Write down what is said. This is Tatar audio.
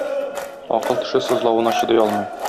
Акыл теше сызлавына чыдый алмый